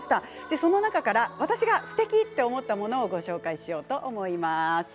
その中から私がすてきと思ったものをご紹介しようと思います。